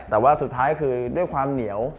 แต่ว่าสุดท้ายคือด้วยความเหนียว